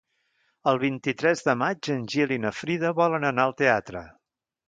El vint-i-tres de maig en Gil i na Frida volen anar al teatre.